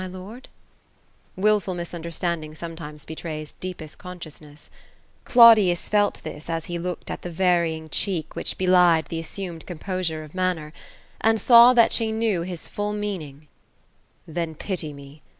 my lord ? Wilful misuoderstanding sometimes betrays deepest consciousness Cl^^dius felt this^ as he looked at the varying cheek which belied the Ked composure of manner; and saw that she knew bis full oMaaing THE ROSE OF ELSINORE. 247 * Then pity me.